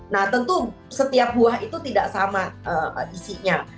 nah tentu setiap buah itu tidak sama isinya